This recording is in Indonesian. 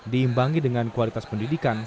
diimbangi dengan kualitas pendidikan